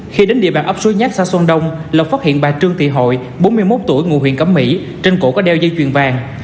khi đến địa bàn ấp suối nhát xã xuân đông lộc phát hiện bà trương thị hội bốn mươi một tuổi ngụ huyện cẩm mỹ trên cổ có đeo dây chuyền vàng